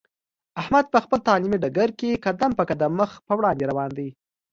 احمد په خپل تعلیمي ډګر کې قدم په قدم مخ په وړاندې روان دی.